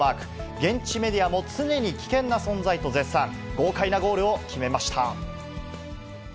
現地メディアも、常に危険な存在と絶賛、豪快なゴールを決めました。